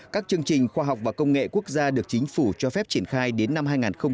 các chương trình khoa học và công nghệ quốc gia được chính phủ cho phép triển khai đến năm hai nghìn hai mươi